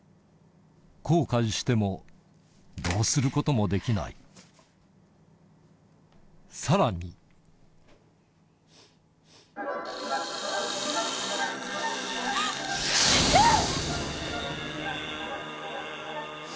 後悔してもどうすることもできないさらに嫌！